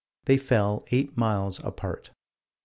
They fell eight miles apart.